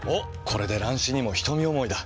これで乱視にも瞳思いだ。